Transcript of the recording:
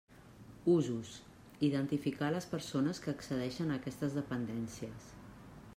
Usos: identificar a les persones que accedeixen a aquestes dependències.